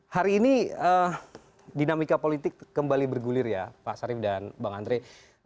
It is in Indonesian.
hari ini dinamika politik kembali bergulir ya pak sarif dan bang andre